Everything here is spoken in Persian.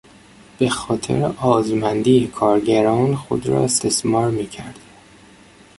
به خاطر آزمندی کارگران خود را استثمار میکرد.